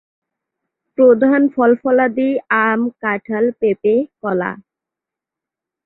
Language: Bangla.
প্রধান ফল-ফলাদি আম, কাঁঠাল, পেঁপে, কলা।